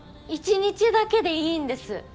１日だけでいいんです。